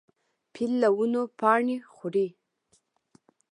فیل له ونو پاڼې خوري.